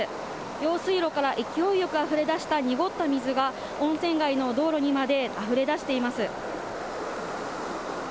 用水路から勢いよくあふれ出した濁った水が、温泉街の道路にまであふれ出しています。